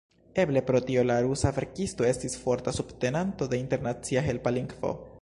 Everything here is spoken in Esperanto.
Eble pro tio la rusa verkisto estis forta subtenanto de internacia helpa lingvo.